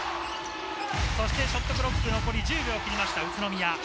ショットクロック、残り１０秒を切ります宇都宮。